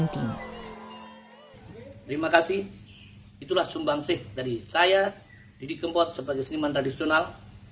terima kasih itulah sumbang sih dari saya didi kempot sebagai seniman tradisional